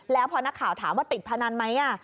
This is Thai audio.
แล้วพอนักข่าวถามว่าติดพนันไหม